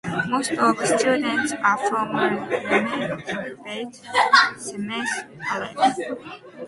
Most of the students are from Ramat Beit Shemesh Alef.